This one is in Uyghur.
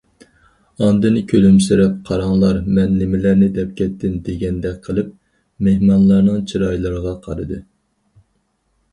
ئاندىن كۈلۈمسىرەپ، قاراڭلار، مەن نېمىلەرنى دەپ كەتتىم، دېگەندەك قىلىپ، مېھمانلارنىڭ چىرايلىرىغا قارىدى.